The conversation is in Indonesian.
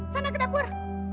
sana ke dapur